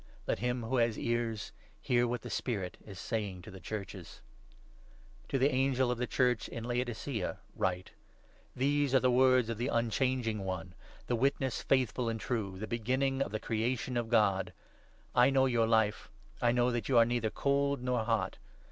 Let him who has ears hear what the Spirit is 13 saying to the Churches." To the Angel of the Church in Laodicaea write :— 14 " These are the words of the Unchanging One, ' the Witness faithful and true, the Beginning of the Creation of God ':— I 15 know your life ; I know that you are neither cold nor hot.